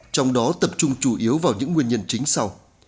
trong đó tập trung chủ yếu vào những nguyên nhân chính sau